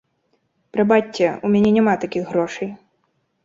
Прабачце, у мяне няма такіх грошай.